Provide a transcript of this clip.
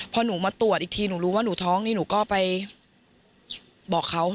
พอหนูมาตรวจอีกทีหนูรู้ว่าหนูท้องนี่หนูก็ไปบอกเขา